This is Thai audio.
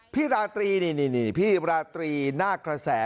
ราตรีนี่พี่ราตรีนาคกระแส